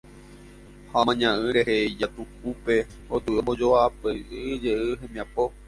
Ha omaña'ỹ rehe ijatukupe gotyo ombojoapyjey hembiapo.